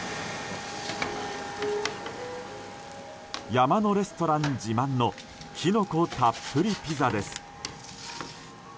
山のレストラン自慢のキノコたっぷりピザです。